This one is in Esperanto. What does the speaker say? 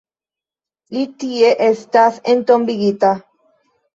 Li tie estas entombigita.